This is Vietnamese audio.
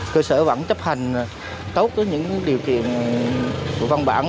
cơ sở vẫn chấp hành tốt những điều kiện của văn bản